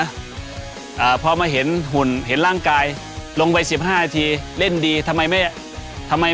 อ่าพอมาเห็นหุ่นเห็นร่างกายลงไปสิบห้านาทีเล่นดีทำไมไม่ทำไม